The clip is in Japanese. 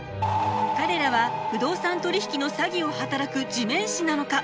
彼らは不動産取引の詐欺を働く地面師なのか？